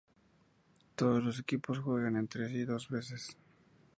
Todos los equipos juegan entre sí dos veces.